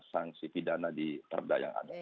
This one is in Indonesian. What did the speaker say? sanksi pidana diperda yang ada